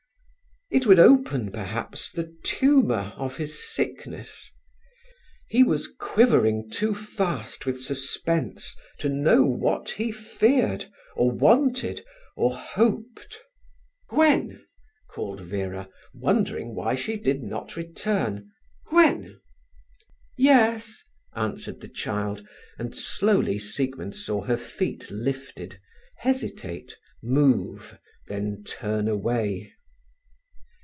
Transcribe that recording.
It would open, perhaps, the tumour of his sickness. He was quivering too fast with suspense to know what he feared, or wanted, or hoped. "Gwen!" called Vera, wondering why she did not return. "Gwen!" "Yes," answered the child, and slowly Siegmund saw her feet lifted, hesitate, move, then turn away.